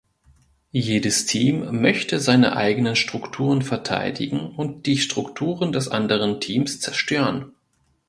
Jedes Team möchte seine eigenen Strukturen verteidigen und die Strukturen des anderen Teams zerstören.